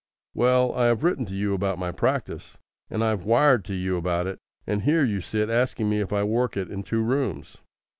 "Well, I have written to you about my practice, and I've wired to you about it, and here you sit asking me if I work it in two rooms.